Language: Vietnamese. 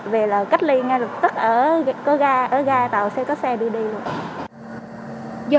về là cách ly ngay lập tức ở ga ở ga tàu xe có xe đi đi luôn